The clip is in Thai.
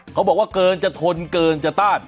เขาบอกว่าเกินจะทนเกินจะต้าน